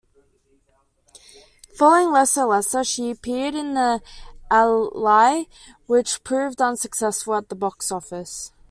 Following "Lesa Lesa", she appeared in "Alai" which proved unsuccessful at the box office.